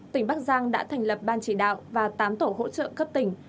tỉnh bắc giang đã thành lập ban chỉ đạo và tám tổ hỗ trợ cấp tỉnh